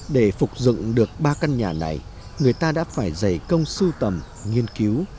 để phục dựng được ba căn nhà này người ta đã phải dày công sưu tầm nghiên cứu